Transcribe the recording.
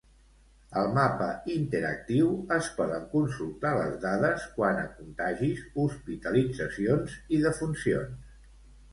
Al mapa interactiu es poden consultar les dades quant a contagis, hospitalitzacions i defuncions.